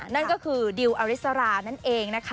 นั่นก็คือดิวอริสรานั่นเองนะคะ